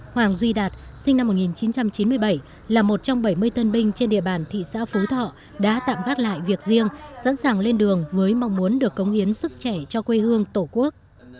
hoàng duy đạt sinh năm một nghìn chín trăm chín mươi bảy là một trong bảy mươi tân binh trên địa bàn thị xã phú thọ đã tạm gác lại việc riêng sẵn sàng lên đường với mong muốn được cống hiến sức trẻ cho quê hương tổ quốc